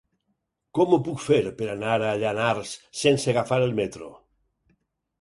Com ho puc fer per anar a Llanars sense agafar el metro?